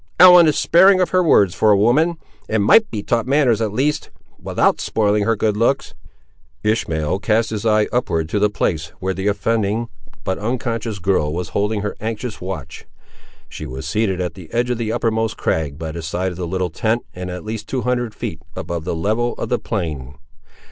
Ellen is sparing of her words for a woman; and might be taught manners at least, without spoiling her good looks." Ishmael cast his eye upward to the place, where the offending, but unconscious girl was holding her anxious watch. She was seated at the edge of the uppermost crag, by the side of the little tent, and at least two hundred feet above the level of the plain.